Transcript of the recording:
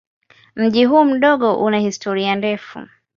Mji huu mdogo una historia ndefu.